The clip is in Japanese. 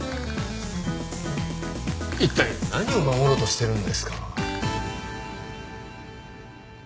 一体何を守ろうとしてるんですか？